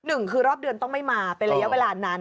หนึ่งคือรอบเดือนต้องไม่มาเป็นระยะเวลานั้น